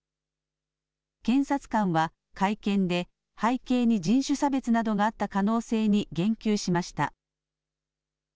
検察官は会見で背景に人種差別などがあった可能性に言及しました。